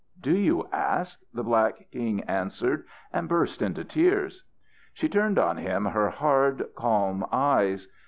"Do you ask?" the black king answered, and burst into tears. She turned on him her hard, calm eyes.